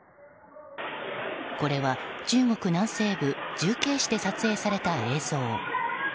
これは中国南西部重慶市で撮影された映像。